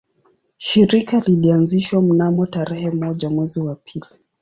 Shirika lilianzishwa mnamo tarehe moja mwezi wa pili